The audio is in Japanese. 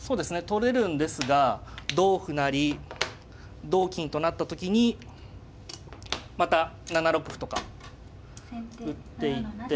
取れるんですが同歩成同金となった時にまた７六歩とか打っていって。